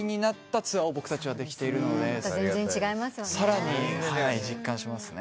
さらに実感しますね。